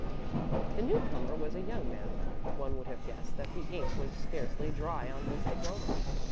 The newcomer was a young man one would have guessed that the ink was scarcely dry on his diploma.